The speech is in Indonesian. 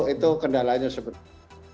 itu kendalanya sebetulnya